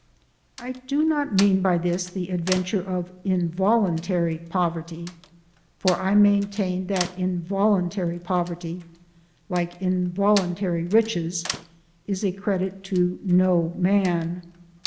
I do not mean by this the adventure of involuntary poverty, for I maintain that involuntary poverty, like involuntary riches, is a credit to no man.